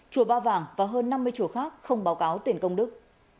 chùa ba vàng và hơn năm mươi chùa khác không báo cáo tiền công đức